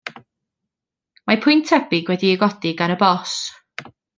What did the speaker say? Mae pwynt tebyg wedi'i godi gan y bòs.